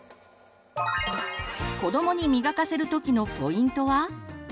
子どもに磨かせるときのポイントは？